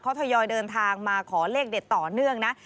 เขาทยอยเดินทางมาขอเลขเด็ดต่อเนื่องนะ